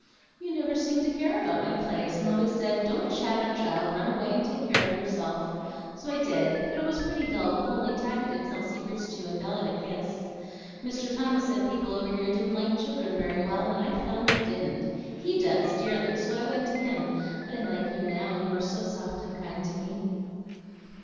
"You never seemed to care about my plays, and always said, 'Don't chatter, child; run away and take care of yourself.' So I did; but it was pretty dull, with only Tabby to tell secrets to and Bella to kiss. Mr. Thomas said people over here didn't like children very well, and I found they didn't. HE does, dearly, so I went to him; but I like you now, you are so soft and kind to me."